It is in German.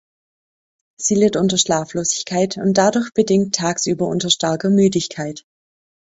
Sie litt unter Schlaflosigkeit und dadurch bedingt tagsüber unter starker Müdigkeit.